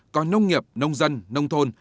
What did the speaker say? còn nông nghiệp nông dân nông thôn